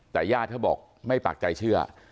แต่ญาติเบาะไม่ปักใจเชื่อ